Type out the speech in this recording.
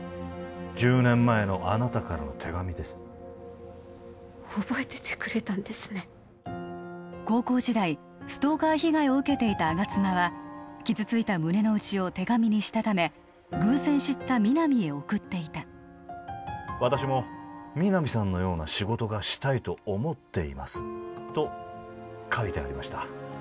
１０年前のあなたからの手紙です覚えててくれたんですね高校時代ストーカー被害を受けていた吾妻は傷ついた胸の内を手紙にしたため偶然知った皆実へ送っていた私も皆実さんのような仕事がしたいと思っていますと書いてありました